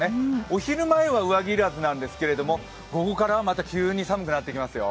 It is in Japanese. お昼前は上着要らずなんですけど午後からはまた急に寒くなってきますよ。